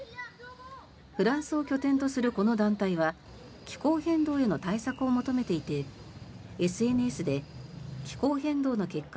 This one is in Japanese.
フランスを拠点とするこの団体は気候変動への対策を求めていてＳＮＳで気候変動の結果